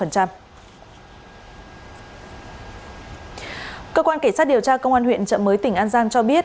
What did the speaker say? cơ quan cảnh sát điều tra công an huyện trợ mới tỉnh an giang cho biết